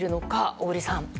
小栗さん。